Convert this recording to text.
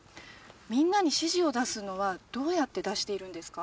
みんなに指示を出すのはどうやって出しているんですか？